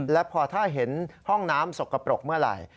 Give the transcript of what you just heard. และพอถ้าเห็นห้องน้ำสกปรกเมื่อไหร่